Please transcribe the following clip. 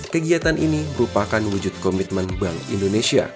kegiatan ini merupakan wujud komitmen bank indonesia